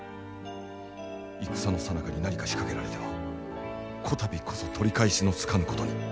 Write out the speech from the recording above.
戦のさなかに何か仕掛けられてはこたびこそ取り返しのつかぬことに。